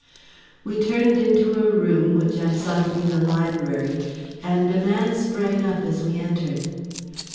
We turned into a room which I saw to be the library, and a man sprang up as we entered.